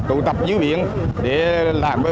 tụ tập dưới biển để làm việc